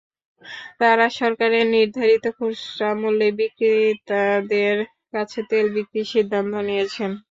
তাঁরা সরকারের নির্ধারিত খুচরা মূল্যেই বিক্রেতাদের কাছে তেল বিক্রির সিদ্ধান্ত নিয়েছেন।